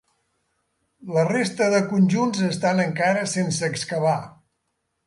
La resta de conjunts estan encara sense excavar.